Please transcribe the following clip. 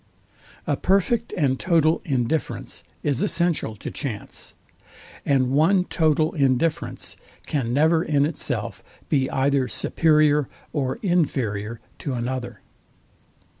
A perfect and total indifference is essential to chance, and one total indifference can never in itself be either superior or inferior to another.